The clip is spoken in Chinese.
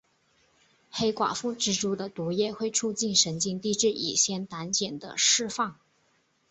黑寡妇蜘蛛的毒液会促进神经递质乙酰胆碱的释放。